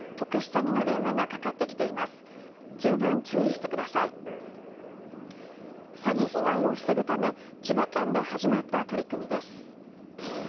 詐欺被害を防ぐため千葉県で始まった取り組みです。